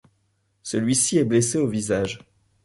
Celui-ci est blessé au visage.